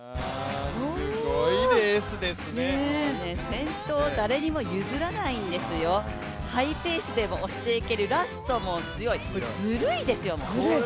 先頭を誰にも譲らないんですよ、ハイペースでも押していける、ラストも強い、ずるいですよ、もう。